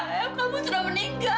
ayah kamu sudah meninggal